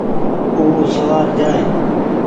او سوآر جآئي۔